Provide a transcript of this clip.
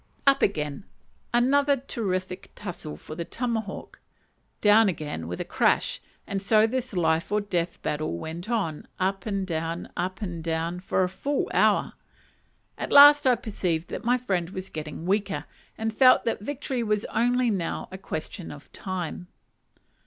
Up again; another terrific tussle for the tomahawk; down again with a crash: and so this life or death battle went on, down and up, up and down, for a full hour. At last I perceived that my friend was getting weaker, and felt that victory was only now a question of time.